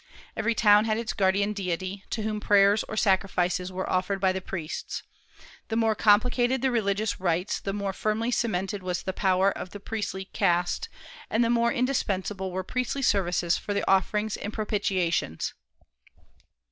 Every town had its guardian deity, to whom prayers or sacrifices were offered by the priests. The more complicated the religious rites the more firmly cemented was the power of the priestly caste, and the more indispensable were priestly services for the offerings and propitiations.